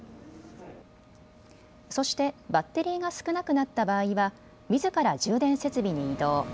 そしてバッテリーが少なくなった場合はみずから充電設備に移動。